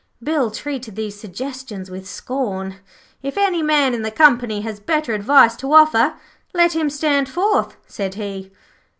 Bill treated these suggestions with scorn. 'If any man in the company has better advice to offer, let him stand forth,' said he.